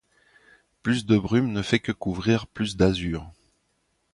Plus de brume ne fait que couvrir plus d’azur.